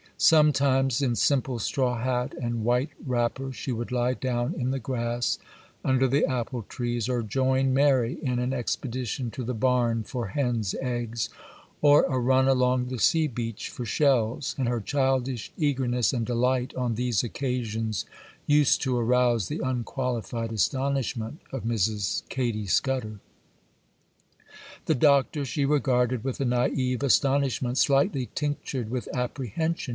Sometimes, in simple straw hat and white wrapper, she would lie down in the grass under the apple trees, or join Mary in an expedition to the barn for hen's eggs, or a run along the sea beach for shells; and her childish eagerness and delight on these occasions used to arouse the unqualified astonishment of Mrs. Katy Scudder. The Doctor she regarded with a naïve astonishment, slightly tinctured with apprehension.